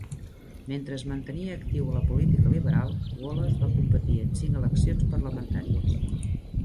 Mentre es mantenia actiu a la política liberal, Wallace va competir en cinc eleccions parlamentàries.